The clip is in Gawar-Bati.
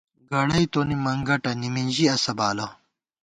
گَڑئی تونی منگٹہ ، نِمِنژی اسہ بالہ